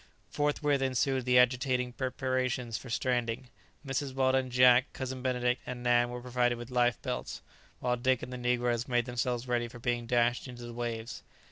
Forthwith ensued the agitating preparations for stranding. Mrs. Weldon, Jack, Cousin Benedict, and Nan were provided with life belts, while Dick and the negroes made themselves ready for being dashed into the waves.